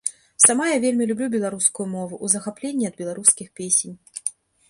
Сама я вельмі люблю беларускую мову, у захапленні ад беларускіх песень.